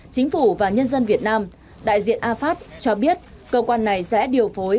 chính phủ và nhân dân việt nam đại diện afast cho biết cơ quan này sẽ điều phối